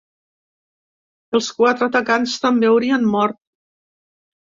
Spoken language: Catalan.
Els quatre atacants també haurien mort.